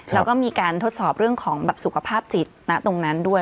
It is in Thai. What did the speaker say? แล้วก็มีการทดสอบเรื่องของสุขภาพจิตณตรงนั้นด้วย